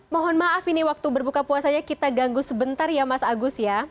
mohon maaf ini waktu berbuka puasanya kita ganggu sebentar ya mas agus ya